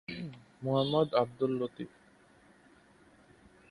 Mohammad Abdul Latif